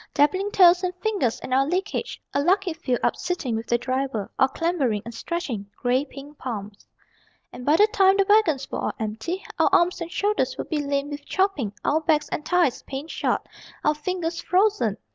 Dabbling toes and fingers in our leakage, A lucky few up sitting with the driver, All clambering and stretching grey pink palms. And by the time the wagons were all empty Our arms and shoulders would be lame with chopping, Our backs and thighs pain shot, our fingers frozen.